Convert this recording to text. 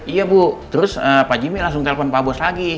iya bu terus pak jimmy langsung telpon pak bos lagi